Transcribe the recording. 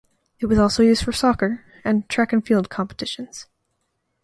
It was also used for soccer and track and field competitions.